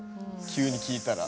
急に聞いたら。